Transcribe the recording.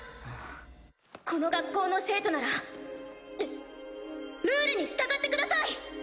この学校の生徒ならルルールに従ってください！